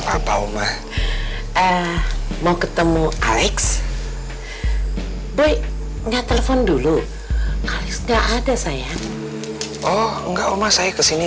papa oma eh mau ketemu alex boy nge telepon dulu gak ada sayang oh enggak mas saya kesini